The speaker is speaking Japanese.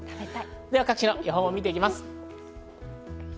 各地の予報を見てきます。